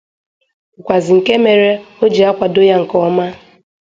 bụkwazị nke mere o ji akwàdo ya nke ọma.